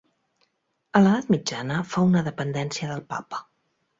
A l'edat mitjana fou una dependència del Papa.